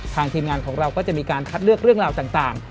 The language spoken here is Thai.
ทีมงานของเราก็จะมีการคัดเลือกเรื่องราวต่าง